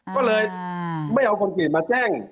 ก็เลยไม่เอาคนผิดมาแจ้ง